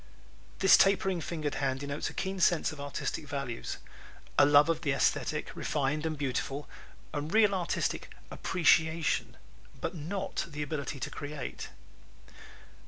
This tapering fingered hand denotes a keen sense of artistic values; a love of the esthetic, refined and beautiful; and real artistic appreciation, but not the ability to create.